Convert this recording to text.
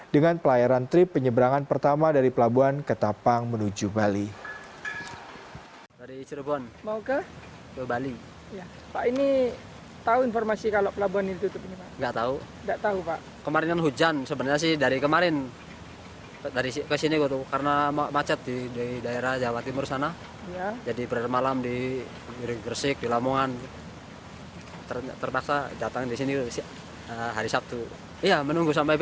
dengan pelayaran trip penyeberangan pertama dari pelabuhan ketapang menuju bali